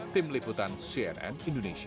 tim liputan cnn indonesia